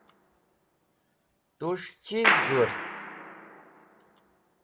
Tus̃h chiz g̃hũrt?